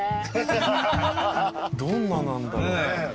どんななんだろう。